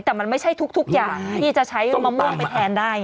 แต่มันไม่ใช่ทุกอย่างที่จะใช้มะม่วงไปแทนได้